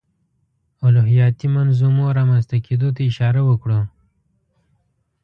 د الهیاتي منظومو رامنځته کېدو ته اشاره وکړو.